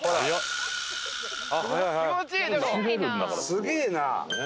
すげえな！